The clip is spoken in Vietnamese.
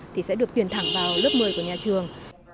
thì sẽ được tuyển thẳng vào lớp một mươi của nhà trường